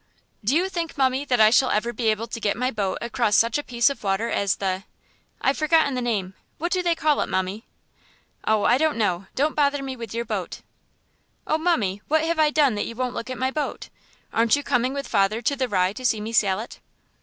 Do you think, mummie, that I shall ever be able to get my boat across such a piece of water as the I've forgotten the name. What do they call it, mummie?" "Oh, I don't know; don't bother me with your boat." "Oh, mummie, what have I done that you won't look at my boat? Aren't you coming with father to the Rye to see me sail it?"